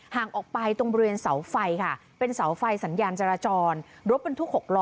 ห่างออกไปตรงบริเวณเสาไฟค่ะเป็นเสาไฟสัญญาณจราจรรถบรรทุก๖ล้อ